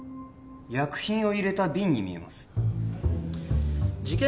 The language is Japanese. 薬品を入れた瓶に見えます事件